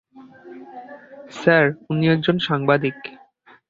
Sir, উনি একজন সাংবাদিক।